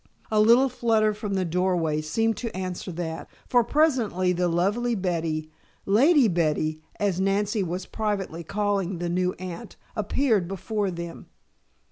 A little flutter from the doorway seemed to answer that, for presently the lovely Betty Lady Betty, as Nancy was privately calling the new aunt, appeared before them.